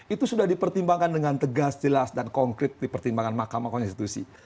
itu sudah dipertimbangkan dengan tegas jelas dan konkret di pertimbangan makam atau institusi